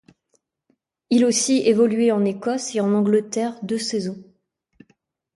Il aussi évolué en Écosse et en Angleterre deux saisons.